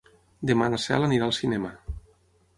Demà na Cel anirà al cinema.